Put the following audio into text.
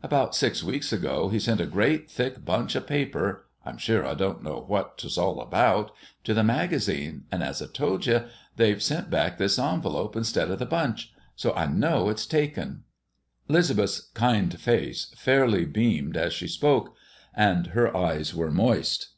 About six weeks ago he sent a great thick bunch o' paper I'm sure I don't know what 't was all about to the magazine, and, as I told ye, they've sent back this envelope instead of the bunch. So I know it's taken." 'Lisbeth's kind face fairly beamed as she spoke, and her eyes were moist.